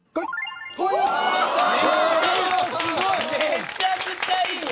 めちゃくちゃいいよ。